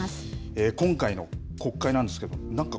今回の国会なんですけれどもなにか